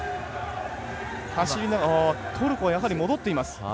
トルコはやはり戻っています。